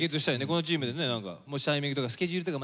このチームでね何かもしタイミングとかスケジュールとかね